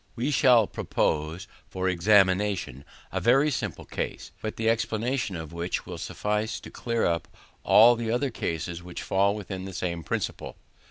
We shall propose for examination a very simple case, but the explanation of which will suffice to clear up all other cases which fall within the same principle.